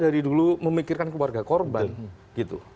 jadi dulu memikirkan keluarga korban gitu